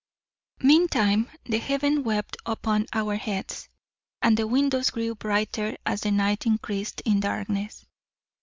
Meantime the heaven wept upon our heads; and the windows grew brighter as the night increased in darkness.